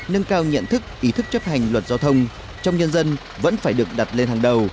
nâng cao nhận thức ý thức chấp hành luật giao thông trong nhân dân vẫn phải được đặt lên hàng đầu